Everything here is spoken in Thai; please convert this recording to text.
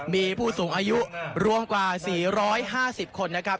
มีผู้สูงอายุรวมกว่า๔๕๐คนนะครับ